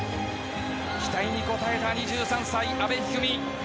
期待に応えた２３歳、阿部一二三。